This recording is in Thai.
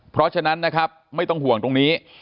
เพราะฉะนั้นนะครับไม่ต้องห่วงตรงนี้